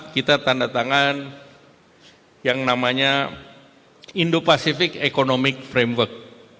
kita tanda tangan yang namanya indo pacific economic framework